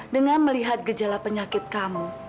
dengan melihat gejala penyakit kamu